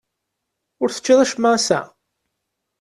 Ur teččiḍ acemma ass-a?